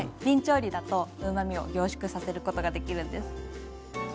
びん調理だとうまみを凝縮させることができるんです。